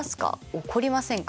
起こりませんか？